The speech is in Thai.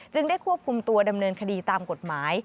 ได้ควบคุมตัวดำเนินคดีตามกฎหมาย